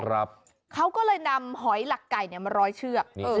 ครับเขาก็เลยนำหอยหลักไก่เนี่ยมาร้อยเชือกเออ